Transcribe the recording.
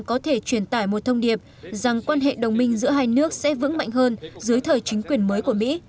có thể truyền tải một thông điệp rằng quan hệ đồng minh giữa hai nước sẽ vững mạnh hơn dưới thời chính quyền mới của mỹ